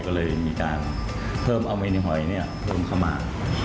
ก็เลยมีการเพิ่มอเมริหอยเพิ่มเข้ามา